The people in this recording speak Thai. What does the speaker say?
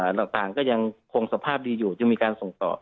ต่างก็ยังคงสภาพดีอยู่จึงมีการส่งต่อ